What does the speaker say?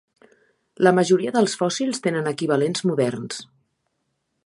La majoria dels fòssils tenen equivalents moderns.